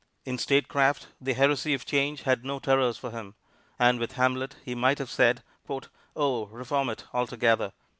In statecraft, the heresy of change had no terrors for him, and with Hamlet, he might have said, "Oh, reform it altogether!"